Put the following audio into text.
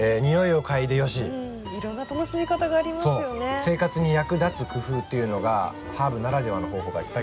生活に役立つ工夫というのがハーブならではの方法がいっぱい